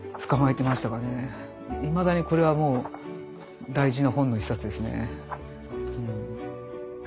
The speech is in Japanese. いまだにこれはもう大事な本の一冊ですね。